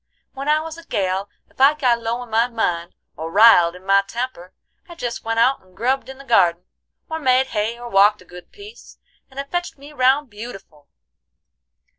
When I was a gal, ef I got low in my mind, or riled in my temper, I jest went out and grubbed in the gardin, or made hay, or walked a good piece, and it fetched me round beautiful.